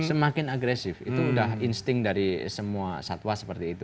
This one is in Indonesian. semakin agresif itu sudah insting dari semua satwa seperti itu